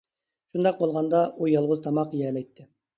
شۇنداق بولغاندا ئۇ يالغۇز تاماق يېيەلەيتتى.